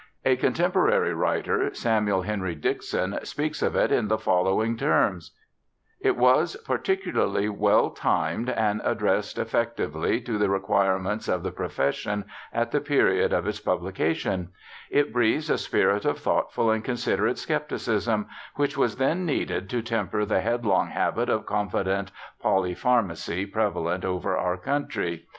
A contemporary writer, Samuel Henry Dickson S speaks of it in the following terms :' Gross, American Medical Biography, 1861, p. 750. ELISHA BARTLETT 135 ' It was particularly well timed, and addressed effec tively to the requirements of the profession, at the period of its pubhcation, It breathes a spirit of thoughtful and considerate scepticism, which was then needed to temper the headlong habit of confident polypharmacy prevalent over our country.